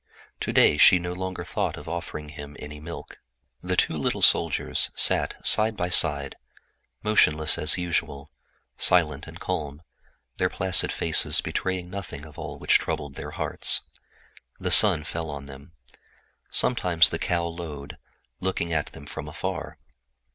To day she no longer thought of offering him any milk. The two little soldiers sat side by side, motionless as usual, silent and calm, their placid faces betraying nothing of all which troubled their hearts. The sun fell on them. Sometimes the cow lowed, looking at them from afar.